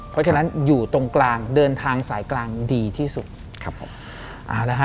เพราะฉะนั้นอยู่ตรงกลางเดินทางสายกลางดีที่สุด